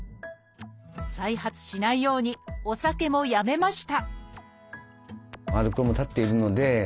再発しないようにお酒もやめました